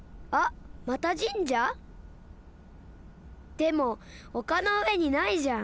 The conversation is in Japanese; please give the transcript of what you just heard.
でもおかのうえにないじゃん。